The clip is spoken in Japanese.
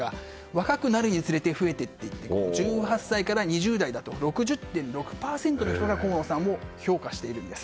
若くなるにつれて増えていって１８歳から２０代だと６０．６％の人が河野さんを評価しているんです。